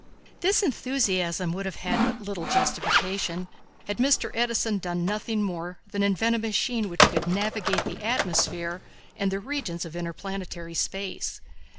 This enthusiasm would have had but little justification had Mr. Edison done nothing more than invent a machine which could navigate the atmosphere and the regions of interplanetary space.